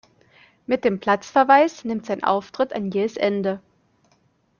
Mit dem Platzverweis nimmt sein Auftritt ein jähes Ende.